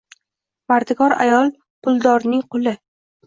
Mardikor ayol puldording quli